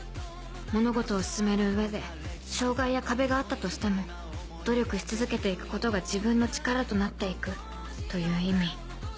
物事を進める上で障害や壁があったとしても努力し続けて行くことが自分の力となって行くという意味